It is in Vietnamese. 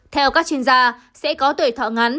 theo các chuyên gia sẽ có tuổi thọ ngắn